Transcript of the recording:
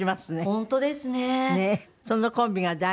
本当ですね。